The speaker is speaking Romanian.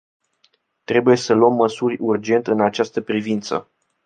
Trebuie să luăm măsuri urgent în această privință.